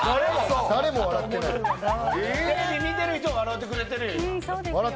テレビ見てる人は笑ってくれてるよ。